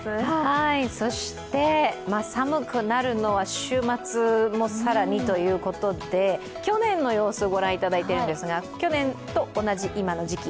寒くなるのは週末も更にということで、去年の様子をご覧いただいているんですが去年と同じ今の時期。